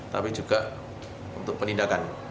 tapi juga untuk penindakan